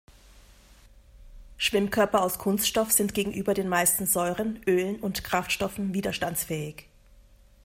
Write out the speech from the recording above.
Schwimmkörper aus Kunststoff sind gegenüber den meisten Säuren, Ölen und Kraftstoffen widerstandsfähig.